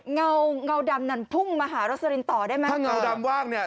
เงาเงาดำนั้นพุ่งมาหารสลินต่อได้ไหมถ้าเงาดำว่างเนี่ย